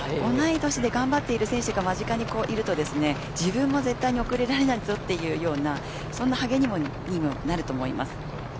同い年で頑張っている選手が間近にいると自分も絶対に遅れられないぞというようなそんな励みにもなると思います。